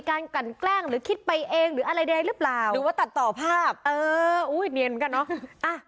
อะไรได้หรือเปล่าหรือว่าตัดต่อภาพเอออุ้ยเนียนเหมือนกันเนอะอ่ะ